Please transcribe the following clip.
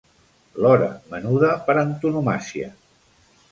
L'hora menuda per antonomàsia.